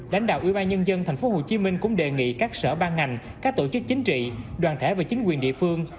đánh đạo ubnd tp hcm cũng đề nghị các sở ban ngành các tổ chức chính trị đoàn thể và chính quyền địa phương